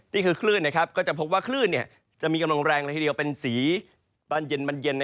นี่คือคลื่นก็จะพบว่าคลื่นจะมีกำลังแรงละทีเดียวเป็นสีตอนเย็นมันเย็น